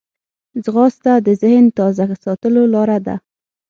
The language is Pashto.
ځغاسته د ذهن تازه ساتلو لاره ده